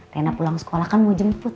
tena pulang sekolah kan mau jemput